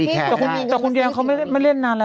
แต่คุณแยวเค้าไม่เล่นนานแล้ว